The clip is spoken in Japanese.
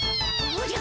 おじゃ！